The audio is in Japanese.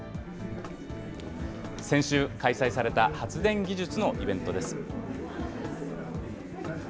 先週開催された発電技術のイベントです。